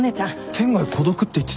天涯孤独って言ってたよな？